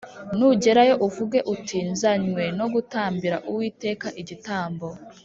nugerayo uvuge uti ‘Nzanywe no gutambira Uwiteka igitambo.’